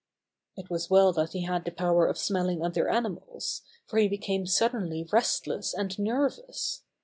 It was well that he had the power of smell ing other animals, for he became suddenly restless and nervous.